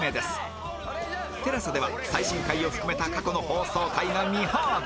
ＴＥＬＡＳＡ では最新回を含めた過去の放送回が見放題